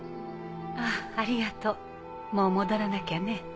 あぁありがとうもう戻らなきゃね。